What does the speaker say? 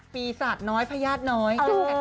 ปีศาจน้อยพญาติน้อย